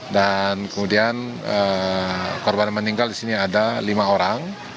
kemudian korban meninggal di sini ada lima orang